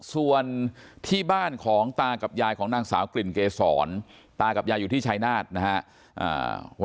ส่วนที่บ้านของตากับยายของนางสาวกลิ่นเกษรตากับยายอยู่ที่ชายนาฏนะครับ